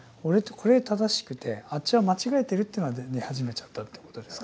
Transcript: これは正しくてあっちは間違えているというのが出始めちゃったということですか？